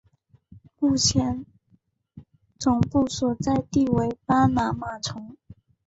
目前总部所在地为巴拿马城。